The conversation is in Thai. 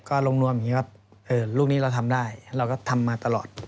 ก็ร่วงรวมว่ารูปนี้เราทำได้เราก็ทำมาตลอด